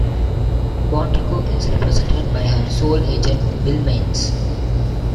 Bontecou is represented by her sole agent, Bill Maynes.